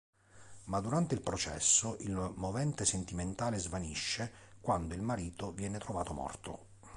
Ma durante il processo, il movente sentimentale svanisce quando il marito viene trovato morto.